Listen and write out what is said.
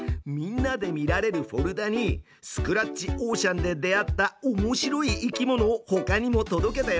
みんなで見られるフォルダにスクラッチオーシャンで出会ったおもしろい生き物をほかにも届けたよ！